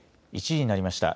１時になりました。